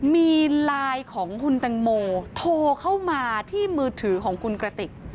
มีไลน์ของคุณตังโมโทรเข้ามาที่มือถือของคุณกระติก